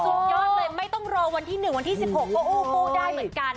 สุดยอดเลยไม่ต้องรอวันที่๑วันที่๑๖ก็อู้กู้ได้เหมือนกัน